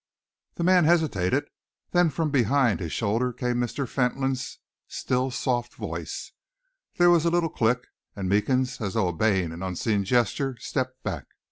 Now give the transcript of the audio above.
The man hesitated. Then from behind his shoulder came Mr. Fentolin's still, soft voice. There was a little click, and Meekins, as though obeying an unseen gesture, stepped back. Mr.